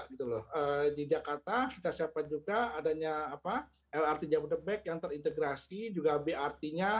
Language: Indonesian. di jakarta kita siapkan juga adanya lrt jabodetabek yang terintegrasi juga brt nya